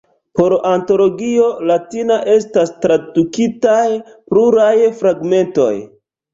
Por Antologio Latina estas tradukitaj pluraj fragmentoj.